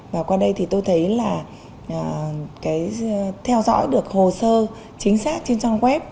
và qua đây thì tôi thấy là theo dõi được hồ sơ chính xác trên trang web